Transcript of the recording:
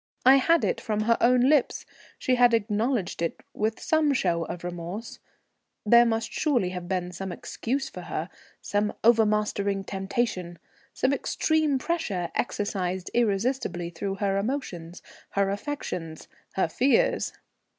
I had it from her own lips, she had acknowledged it with some show of remorse. There must surely have been some excuse for her, some overmastering temptation, some extreme pressure exercised irresistibly through her emotions, her affections, her fears.